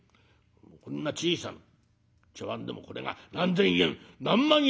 こんな小さな茶わんでもこれが何千円何万円という品物だ」。